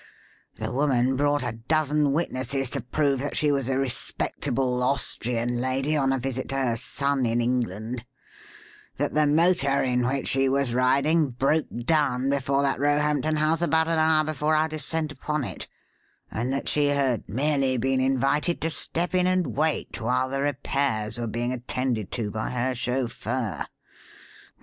The woman brought a dozen witnesses to prove that she was a respectable Austrian lady on a visit to her son in England; that the motor in which she was riding broke down before that Roehampton house about an hour before our descent upon it, and that she had merely been invited to step in and wait while the repairs were being attended to by her chauffeur.